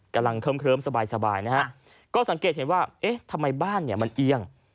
กำลังเคลิ้มสบายนะฮะก็สังเกตเห็นว่าเอ๊ะทำไมบ้านเนี่ยมันเอียง